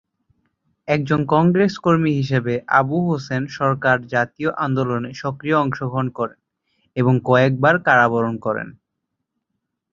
একজন কংগ্রেস কর্মী হিসেবে আবু হোসেন সরকার জাতীয় আন্দোলনে সক্রিয় অংশগ্রহণ করেন এবং কয়েকবার কারাবরণ করেন।